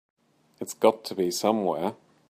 It's got to be somewhere.